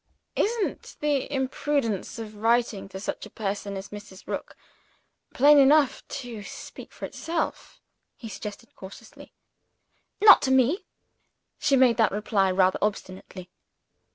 "Isn't the imprudence of writing to such a person as Mrs. Rook plain enough to speak for itself?" he suggested cautiously. "Not to me." She made that reply rather obstinately.